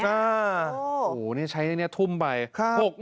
ค่ะโอ้โหนี่ใช้นี่ทุ่มไปค่ะครับ